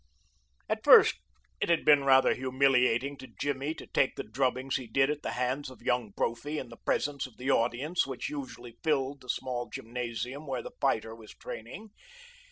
At first it had been rather humiliating to Jimmy to take the drubbings he did at the hands of Young Brophy in the presence of the audience which usually filled the small gymnasium where the fighter was training.